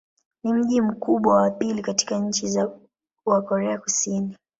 Ni mji mkubwa wa pili katika nchi wa Korea Kaskazini.